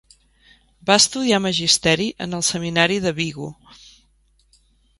Va estudiar Magisteri en el Seminari de Vigo.